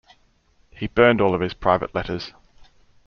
He burned all of his private letters.